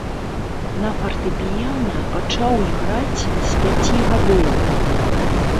На фартэпіяна пачаў іграць з пяці гадоў.